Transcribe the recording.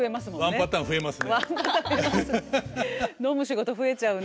ワンパターン増えます。